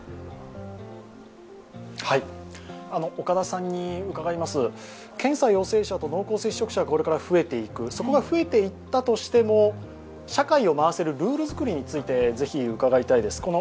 岡田さんに伺います、検査陽性者と濃厚接触者がこれから増えていく、そこが増えていったとしても、社会を回せるルール作りについてぜひ伺いたいです。